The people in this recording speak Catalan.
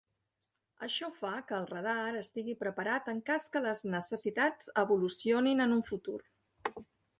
Això fa que el radar estigui preparat en cas que les necessitats evolucionin en un futur.